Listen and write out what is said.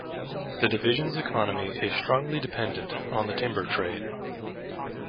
The division's economy is strongly dependent on the timber trade.